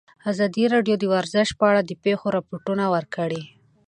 ازادي راډیو د ورزش په اړه د پېښو رپوټونه ورکړي.